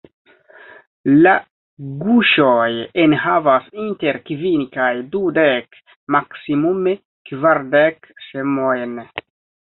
La guŝoj enhavas inter kvin kaj dudek, maksimume kvardek semojn.